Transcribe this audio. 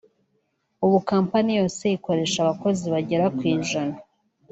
ubu Kompanyi yose ikoresha abakozi bagera ku ijana